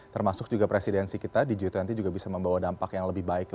termasuk juga presidensi kita di g dua puluh juga bisa membawa dampak yang lebih baik